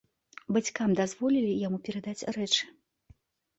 Бацькам дазволілі яму перадаць рэчы.